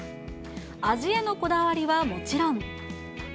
味へのこだわりはもちろん。